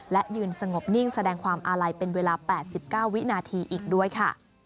และยืนสงบนิ่งแสดงความอาลัยเป็นเวลา๘๙วินาทีอีกด้วยค่ะ